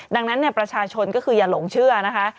ดังนั้นประชาชนก็คืออย่าหลงเชื่อนะคะ